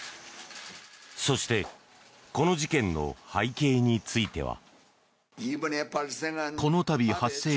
そしてこの事件の背景については。